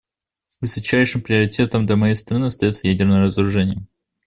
Высочайшим приоритетом для моей страны остается ядерное разоружение.